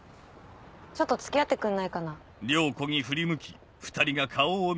ちょっと付き合ってくんないかな？